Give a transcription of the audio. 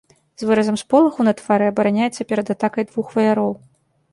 З выразам сполаху на твары абараняецца перад атакай двух ваяроў.